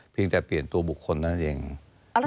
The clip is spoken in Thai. เพียงแต่เปลี่ยนตัวบุคคลนั้นเองนะฮะ